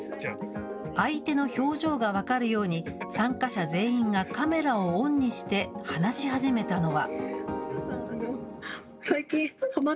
相手の表情が分かるように、参加者全員がカメラをオンにして話し始めたのは。